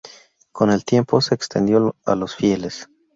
Con el tiempo se extendió a los fieles.